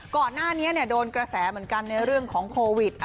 ก่อนหน้านี้โดนกระแสเหมือนกันในเรื่องของโควิด